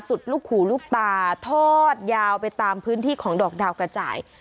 ลูกหูลูกตาทอดยาวไปตามพื้นที่ของดอกดาวกระจาย